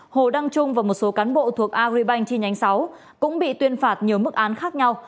hồ đăng trung và một số cán bộ thuộc agribank chi nhánh sáu cũng bị tuyên phạt nhiều mức án khác nhau